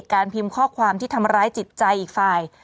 การพิมพ์ข้อความที่ทำร้ายจิตใจอีกฝ่าย